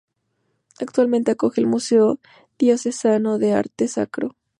Actualmente acoge el Museo Diocesano de Arte Sacro.